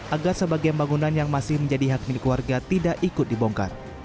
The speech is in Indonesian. agar sebagian bangunan yang masih menjadi hak milik warga tidak ikut dibongkar